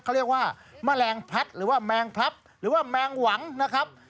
เขาเรียกว่าแมลงพัดหรือว่าแมงพลับหรือว่าแมงหวังนะครับ